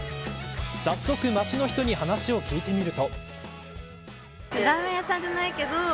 早速街の人に話を聞いてみると。